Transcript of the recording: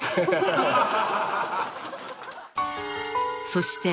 ［そして］